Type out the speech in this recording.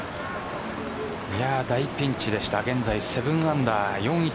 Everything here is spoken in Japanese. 大ピンチでした、現在７アンダー４位